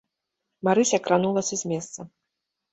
Марыся кранулася з месца.